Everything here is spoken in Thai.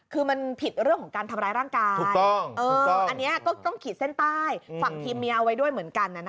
คือมันผิดเรื่องของการทำร้ายร่างกายอันนี้ก็ต้องขีดเส้นใต้ฝั่งทีมเมียเอาไว้ด้วยเหมือนกัน